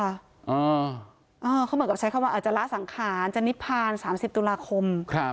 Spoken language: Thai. เขาเหมือนกับใช้คำว่าอาจจะละสังขารจะนิพพาน๓๐ตุลาคม